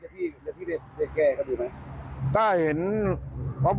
พี่พี่ได้แก้กับอีกไหม